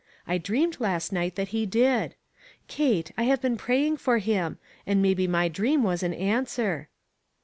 I dreamed last night that he did. Kate, I have been praying for him, and maybe my dream was an answer."